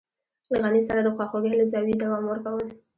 له غني سره د خواخوږۍ له زاويې دوام ورکوم.